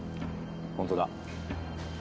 本当だ。